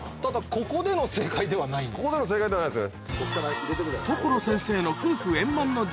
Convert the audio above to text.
ここでの正解ではないですね。